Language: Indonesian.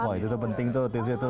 wah itu tuh penting tuh tipsnya tuh